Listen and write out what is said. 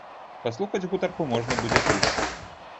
Паслухаць гутарку можна будзе тут.